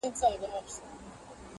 تر هرڅه سخت امتحان دی